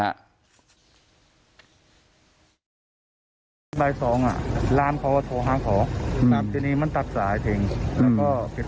ใบสองอ่ะร้านเขาโทรหาขอทีนี้มันตัดสายถึงแล้วก็เก็บ